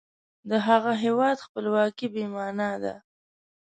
د هغه هیواد خپلواکي بې معنا ده.